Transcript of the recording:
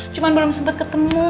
cuman belum sempet ketemu